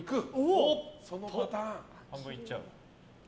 そのパターン。